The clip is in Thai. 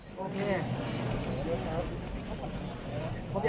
สวัสดีครับ